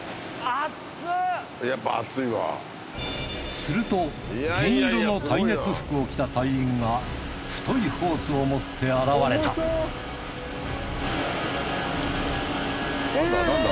すると銀色の耐熱服を着た隊員が太いホースを持って現れたなんだ？